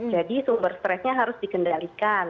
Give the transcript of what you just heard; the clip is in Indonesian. jadi sumber stressnya harus dikendalikan